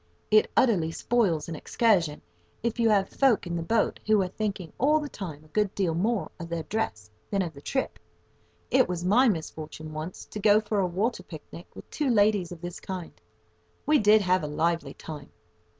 It utterly spoils an excursion if you have folk in the boat who are thinking all the time a good deal more of their dress than of the trip. It was my misfortune once to go for a water picnic with two ladies of this kind. We did have a lively time!